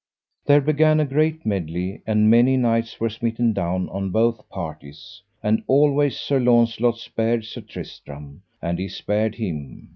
There began a great medley, and many knights were smitten down on both parties; and always Sir Launcelot spared Sir Tristram, and he spared him.